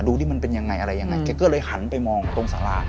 ดูมันเป็นยังไงอะไรแกก็เลยหันไปมองตรงศาลา